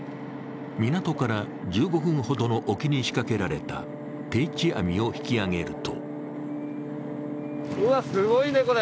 港から１５分ほどの沖に仕掛けられた定置網を引き揚げるとうわ、すごいね、これ。